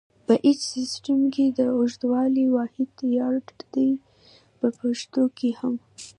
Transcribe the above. په ایچ سیسټم کې د اوږدوالي واحد یارډ دی په پښتو کې هم.